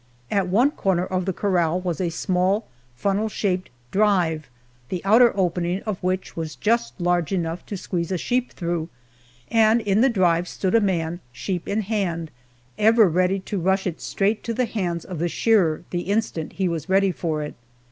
At one corner of the corral was a small, funnel shaped "drive," the outer opening of which was just large enough to squeeze a sheep through, and in the drive stood a man, sheep in hand, ever ready to rush it straight to the hands of the shearer the instant he was ready for it.